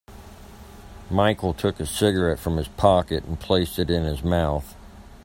Michael took a cigarette from his pocket and placed it in his mouth.